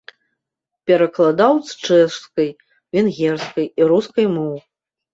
Перакладаў з чэшскай, венгерскай і рускай моў.